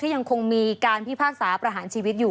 ยังคงมีการพิพากษาประหารชีวิตอยู่